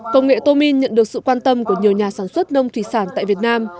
công nghệ tomin nhận được sự quan tâm của nhiều nhà sản xuất nông thủy sản tại việt nam